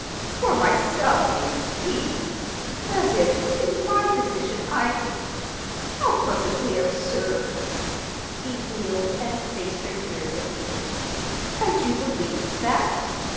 "For myself, indeed! as if, in my position, I'd—How perfectly absurd!" He wheeled and faced her irritably. "And you believed that?